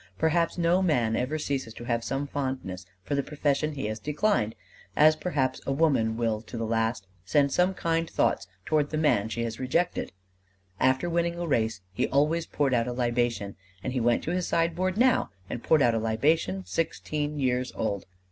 Perhaps no man ever ceases to have some fondness for the profession he has declined, as perhaps a woman will to the last send some kind thoughts toward the man she has rejected. After winning a race, he always poured out a libation; and he went to his sideboard now and poured out a libation sixteen years old.